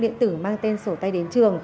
điện tử mang tên sổ tay đến trường